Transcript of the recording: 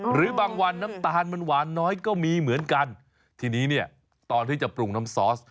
หรือบางวันน้ำตาลมันหวานน้อยก็มีเหมือนกันทีนี้เนี่ยตอนที่จะปรุงน้ำซอส